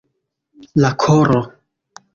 La koro.